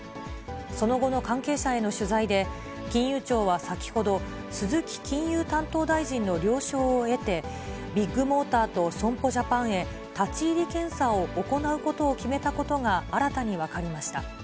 その後の関係者への取材で、金融庁は先ほど、鈴木金融担当大臣の了承を得て、ビッグモーターと損保ジャパンへ、立ち入り検査を行うことを決めたことが新たに分かりました。